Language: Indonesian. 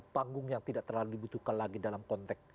panggung yang tidak terlalu dibutuhkan lagi dalam konteks